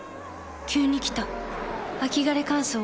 急に来た秋枯れ乾燥。